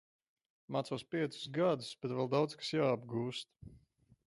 Mācos piecus gadus, bet vēl daudz kas jāapgūst.